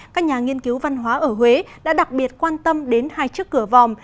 các nhà nghiên cứu văn hóa ở huế đã đặc biệt quan tâm đến hai chiếc cửa vòm